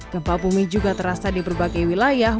gempa bumi juga terasa di berbagai wilayah